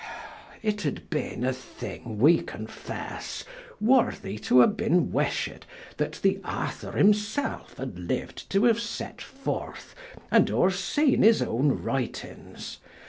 It had bene a thing, we confesse, worthie to haue bene wished, that the Author himselfe had liu'd to haue set forth, and ouerseen his owne writings.